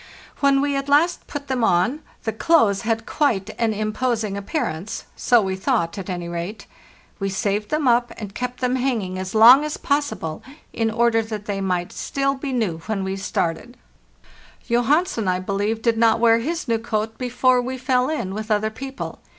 When we at last put them on, the clothes had quite an imposing appear ance—so we thought, at any rate. We saved them up, and kept them hanging as long as possible, in order that they might still be new when we started; Johansen, I believe, did not wear his new coat before we fell in with other people.